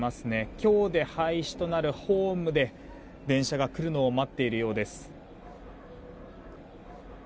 今日で廃止となるホームで電車が来るのを待っているようです。